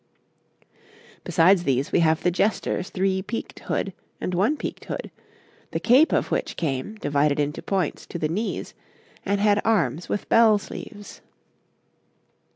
}] Besides these, we have the jester's three peaked hood and one peaked hood, the cape of which came, divided into points, to the knees, and had arms with bell sleeves.